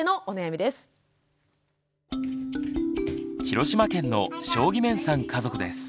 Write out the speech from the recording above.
広島県の將基面さん家族です。